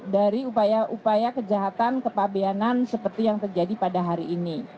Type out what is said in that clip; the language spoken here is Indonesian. dari upaya upaya kejahatan kepabeanan seperti yang terjadi pada hari ini